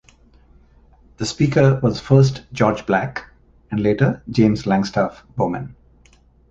The Speaker was first George Black, and later James Langstaff Bowman.